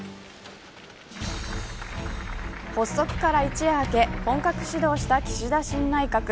発足から一夜明け本格始動した岸田新内閣。